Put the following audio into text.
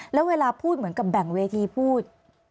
แล้วเวลาพูดเหมือนกับแบ่งเวทีพูด